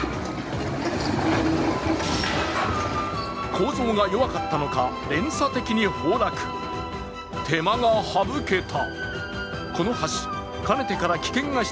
構造が弱かったのか、連鎖的に崩落手間が省けた。